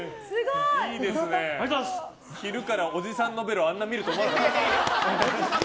昼からおじさん述ベロあんなに見ると思わなかった。